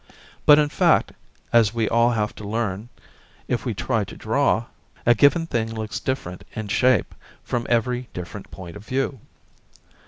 But, in fact, as we all have to learn if we try to draw, a given thing looks different in shape from every different point of view.